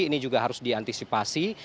ini juga harus diantisipasi